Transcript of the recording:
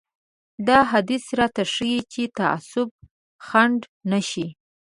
دا حديث راته ښيي چې تعصب خنډ نه شي.